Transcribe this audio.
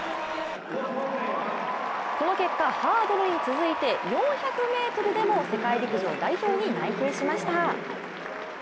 この結果、ハードルに続いて４００ｍでも世界陸上代表に内定しました。